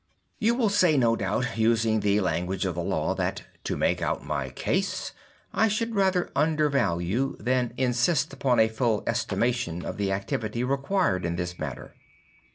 "You will say, no doubt, using the language of the law, that 'to make out my case,' I should rather undervalue, than insist upon a full estimation of the activity required in this matter.